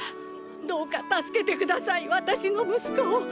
どうか助けて下さい私の息子を！